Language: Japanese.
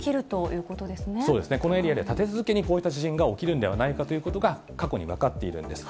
そうですね、このエリアで立て続けにこういった地震が起きるんではないかということが、過去に分かっているんです。